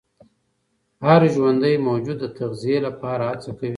هر ژوندي موجود د تغذیې لپاره هڅه کوي.